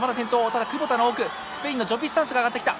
ただ窪田の奥スペインのジョピスサンスが上がってきた。